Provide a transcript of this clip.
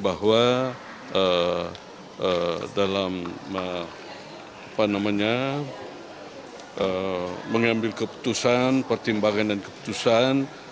bahwa dalam apa namanya mengambil keputusan pertimbangan dan keputusan